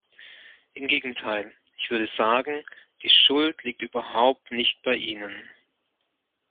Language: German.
Im Gegenteil, ich würde sagen, die Schuld liegt überhaupt nicht bei ihnen.